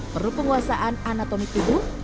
perlu penguasaan anatomi tubuh